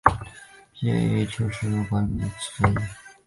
毕业于商丘师范学院行政管理专业。